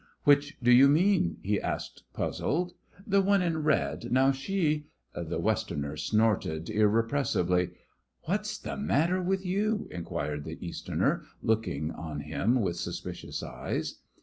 "Which do you mean?" he asked, puzzled. "The one in red. Now, she " The Westerner snorted irrepressibly. "What's the matter with you?" inquired the Easterner, looking on him with suspicious eyes.